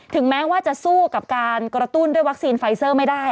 แม้ว่าจะสู้กับการกระตุ้นด้วยวัคซีนไฟเซอร์ไม่ได้